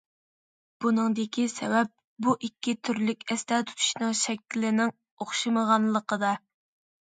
بۇنىڭدىكى سەۋەب، بۇ ئىككى تۈرلۈك ئەستە تۇتۇشنىڭ شەكلىنىڭ ئوخشىمىغانلىقىدا.